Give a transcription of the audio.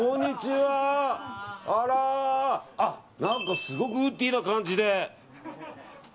何か、すごくウッディーな感じで。